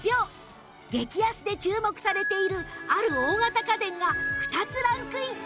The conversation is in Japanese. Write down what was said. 激安で注目されているある大型家電が２つランクイン